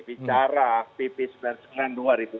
bicara pps bersenan dua ribu dua belas